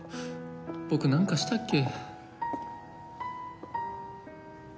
僕なんかしたっけ？